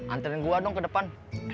anterin gue dong ke depan